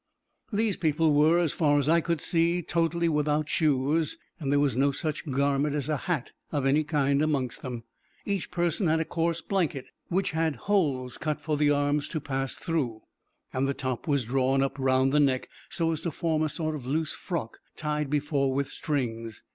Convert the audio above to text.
These people were, as far as I could see, totally without shoes, and there was no such garment as a hat of any kind amongst them. Each person had a coarse blanket, which had holes cut for the arms to pass through, and the top was drawn up round the neck, so as to form a sort of loose frock, tied before with strings.